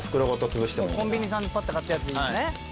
「コンビニさんでパッて買ったやつでいいんだね」